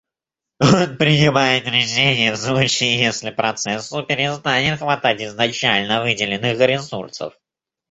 Он принимает решение в случае если процессу перестанет хватать изначально выделенных ресурсов